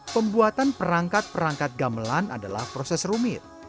pembuatan perangkat perangkat gamelan adalah proses rumit